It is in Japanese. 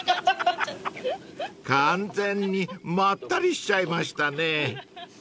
［完全にまったりしちゃいましたね］